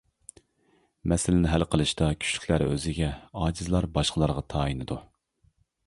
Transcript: مەسىلىنى ھەل قىلىشتا كۈچلۈكلەر ئۆزىگە، ئاجىزلار باشقىلارغا تايىنىدۇ.